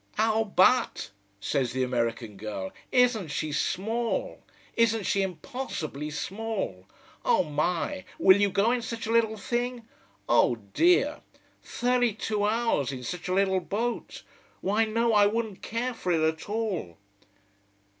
"Oh but!" says the American girl. "Isn't she small! Isn't she impossibly small! Oh my, will you go in such a little thing? Oh dear! Thirty two hours in such a little boat? Why no, I wouldn't care for it at all."